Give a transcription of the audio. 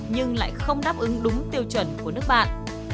nhưng lại không đáp ứng đúng tiêu chuẩn của nước bạn